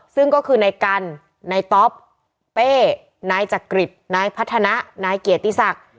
ซึ่งก็คือไหนกันไหนต๊อปแป้ไหนจักริตไหนพัฒนะไหนเกียรติศักดิ์